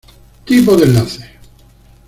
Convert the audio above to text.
Tipo de Enlace!!